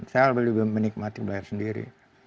saya lebih menikmati bayar sendiri